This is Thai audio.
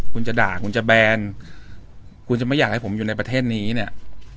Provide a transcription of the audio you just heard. คุณจะด่าคุณจะแบนคุณจะไม่อยากให้ผมอยู่ในประเทศนี้เนี่ย